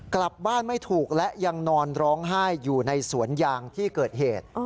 กลับบ้านไม่ถูกและยังนอนร้องไห้อยู่ในสวนยางที่เกิดเหตุ